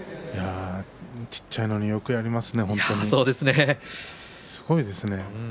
小さいのによくやりますねすごいですね。